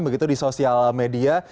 begitu di sosial media